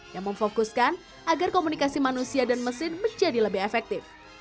yang memfokuskan agar komunikasi manusia dan mesin menjadi lebih efektif